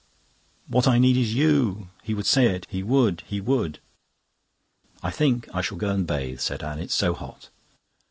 "What I need is you." He would say it, he would he would. "I think I shall go and bathe," said Anne. "It's so hot."